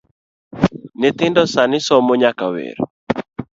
Nyithindo sani somomnyaka wer